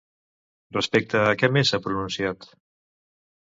Respecte a què més s'ha pronunciat?